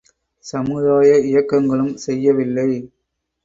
சமுதாய இயக்கங்களும் செய்யவில்லை.